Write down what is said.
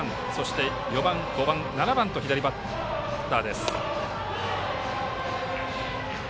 ２番、５番、７番と左バッターです。